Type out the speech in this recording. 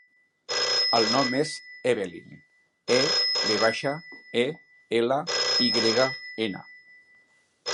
El nom és Evelyn: e, ve baixa, e, ela, i grega, ena.